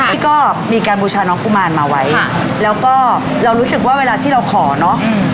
พี่ก็มีการบูชาน้องกุมารมาไว้แล้วก็เรารู้สึกว่าเวลาที่เราขอเนอะ